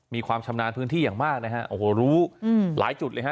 มีความชำนาญพื้นที่อย่างมากนะฮะโอ้โหรู้หลายจุดเลยฮะ